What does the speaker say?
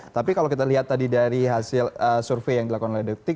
tapi kalau kita lihat tadi dari hasil survei yang dilakukan oleh detik